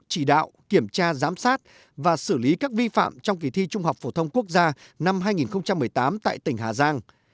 chỉ đạo kiểm tra giám sát và xử lý các vi phạm trong kỳ thi trung học phổ thông quốc gia năm hai nghìn một mươi tám tại tỉnh hà giang